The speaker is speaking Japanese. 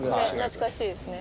懐かしいですね。